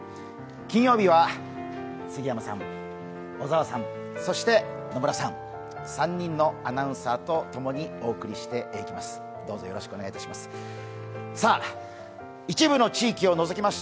金曜日は杉山さん、小沢さん、そして野村さん、３人のアナウンサーとともにお送りしていきます。